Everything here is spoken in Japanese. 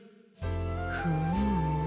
フーム。